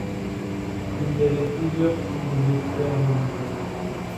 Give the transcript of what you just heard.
Il y avait plusieurs types de bestiaire volontaire.